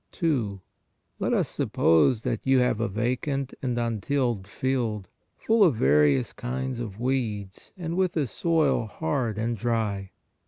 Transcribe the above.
2. Let us suppose that you have a vacant and un tilled field, full of various kinds of weeds and with a soil hard and dry.